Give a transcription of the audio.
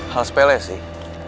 hal sepele sih